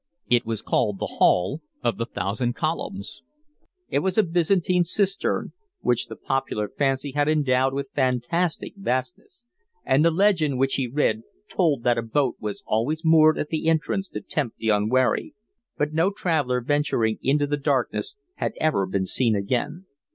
It was called the Hall of the Thousand Columns. It was a Byzantine cistern, which the popular fancy had endowed with fantastic vastness; and the legend which he read told that a boat was always moored at the entrance to tempt the unwary, but no traveller venturing into the darkness had ever been seen again.